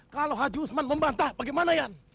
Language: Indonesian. kalau haji usman membantah bagaimana yan